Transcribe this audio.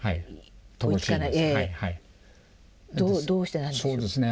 どうしてなんでしょう？